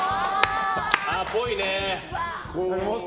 っぽいね。